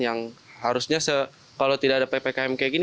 yang harusnya kalau tidak ada ppkm kayak gini